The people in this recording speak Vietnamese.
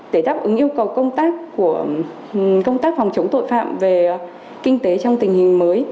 để đáp ứng yêu cầu công tác phòng chống tội phạm về kinh tế trong tình hình mới